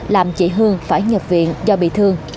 làm chị hương phải nhập viện do bị thương